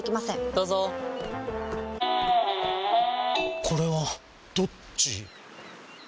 どうぞこれはどっち？